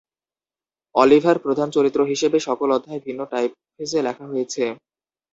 Oliver প্রধান চরিত্র হিসেবে সকল অধ্যায় ভিন্ন টাইপফেসে লেখা হয়েছে।